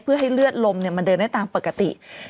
เพื่อให้เลือดลมมันเดินได้ตามปกติ